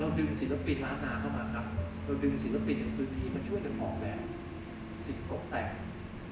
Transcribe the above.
เราดึงศิลปินร้านหน้าเข้ามานะดึงศิลปินกลิ่นทีมาช่วยกับของแบบศิลป์กลมแต่ง